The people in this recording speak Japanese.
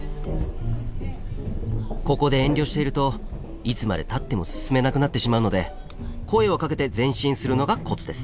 ここで遠慮しているといつまでたっても進めなくなってしまうので声をかけて前進するのがコツです。